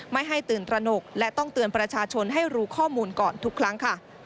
ไม่ให้ตื่นตระหนกและต้องเตือนประชาชนให้รู้ข้อมูลก่อนทุกครั้งค่ะ